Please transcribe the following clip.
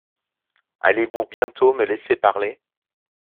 Allez-vous bientôt me laisser parler ?